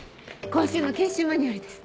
今週の研修マニュアルです。